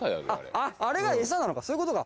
あれがエサなのかそういうことか。